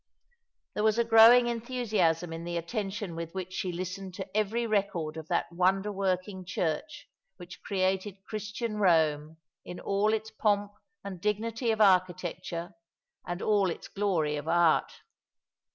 There was a growing enthusiasm in the attention with which she listened to every record of that wonder working Church which created Christian Eome in all its pomp and dignity of architecture, and all its glory of art.